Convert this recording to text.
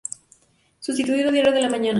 Subtitulado "Diario de la mañana.